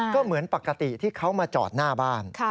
ก็เหมือนปกติที่เขามาจอดหน้าบ้าน